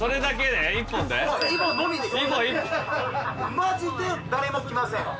マジで誰も来ません